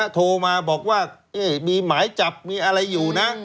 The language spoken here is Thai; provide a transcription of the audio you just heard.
โทรมาบอกว่ามีหมายจับมีอะไรอยู่นะ